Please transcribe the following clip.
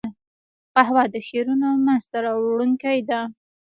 قهوه د شعرونو منځ ته راوړونکې ده